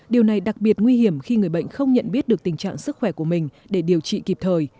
điều này đặc biệt nguy hiểm khi người bệnh không nhận biết được tình trạng sức khỏe của mình để điều trị kịp thời